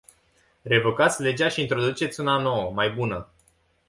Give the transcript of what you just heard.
Revocați legea și introduceți una nouă, mai bună.